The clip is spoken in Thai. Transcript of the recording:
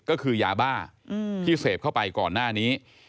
ก็คือยาบ้าที่เสพเข้าไปก่อนหน้านี้